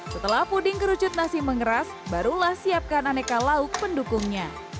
setelah puding kerucut nasi mengeras barulah siapkan aneka lauk pendukungnya